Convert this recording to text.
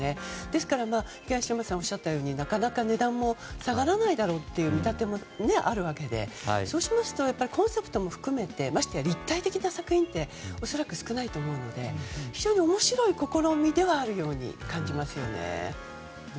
ですから、東山さんがおっしゃったようになかなか値段も下がらないという見立てもあるわけでそうしますと、コンセプトも含めまして立体的な作品って恐らく少ないと思うので非常に面白い試みではあるように感じますね。